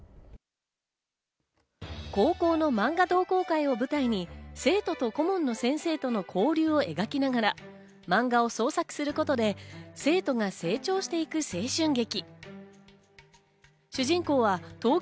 高校のマンガ同好会を舞台に生徒と顧問の先生との交流を描きながら、マンガを創作することで生徒が成長していく青春劇。